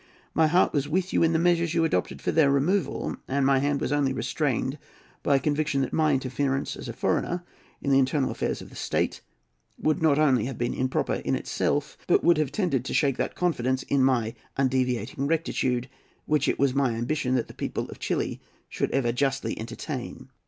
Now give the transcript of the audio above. My heart was with you in the measures you adopted for their removal; and my hand was only restrained by a conviction that my interference, as a foreigner, in the internal affairs of the State would not only have been improper in itself, but would have tended to shake that confidence in my undeviating rectitude which it was my ambition that the people of Chili should ever justly entertain.